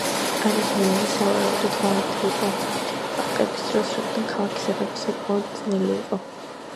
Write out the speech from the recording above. ამის მიზეზი სავარაუდოდ ღალატი იყო ალყების დროს, რადგან ქალაქის აღება საკმაოდ ძნელი იყო.